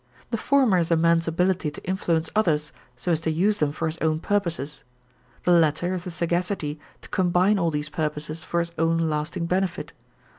The former is a man's ability to influence others so as to use them for his own purposes. The latter is the sagacity to combine all these purposes for his own lasting benefit.